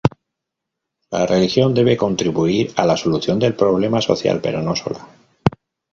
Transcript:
La religión debe contribuir a la solución del problema social, pero no sola.